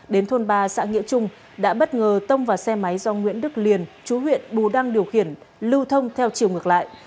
đến thôn ba xã nghĩa trung đã bất ngờ tông vào xe máy do nguyễn đức liền chú huyện bù đăng điều khiển lưu thông theo chiều ngược lại